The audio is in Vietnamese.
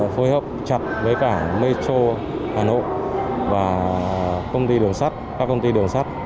phối hợp chặt với cả mê chô hà nội và các công ty đường sắt